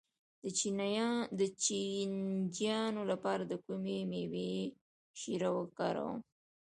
د چینجیانو لپاره د کومې میوې شیره وکاروم؟